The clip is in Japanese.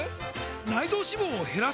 内臓脂肪を減らす！？